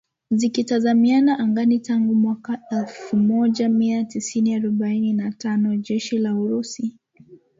zikitazamiana anganiTangu mwaka elfu moja mia tisa arobaini na tano jeshi la Urusi